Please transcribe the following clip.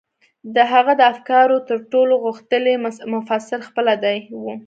د هغه د افکارو تر ټولو غښتلی مفسر خپله دی و.